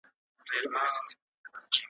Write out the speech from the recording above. فیصلې به تل په حکم د ظالم وي `